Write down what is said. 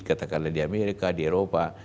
katakanlah di amerika di eropa